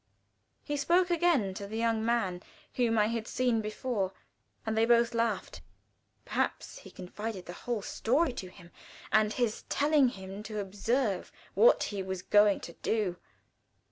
He spoke again to the young man whom I had seen before, and they both laughed. Perhaps he had confided the whole story to him, and was telling him to observe what he was going to do.